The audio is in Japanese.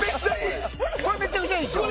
めちゃくちゃいいでしょ？